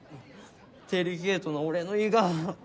デリケートな俺の胃が。